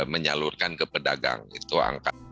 menyalurkan ke pedagang itu angka